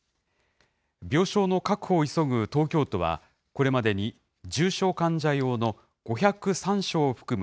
病床の確保を急ぐ東京都は、これまでに重症患者用の５０３床を含む